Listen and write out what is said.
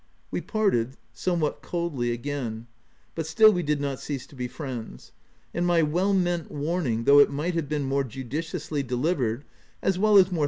We parted — somewhat coldly again ; bu t still we did not cease to be friends ; and my well meant warning, though it might have been more judiciously delivered, as well as more OF WILDFELL HALL.